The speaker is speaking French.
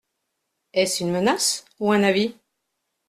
Est-ce une menace ou un avis ?